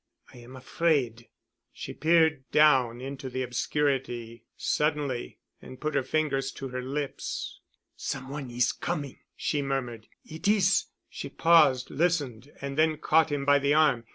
I am afraid——" She peered down into the obscurity suddenly and put her fingers to her lips. "Some one is coming," she murmured. "It is——" she paused, listened, and then caught him by the arm.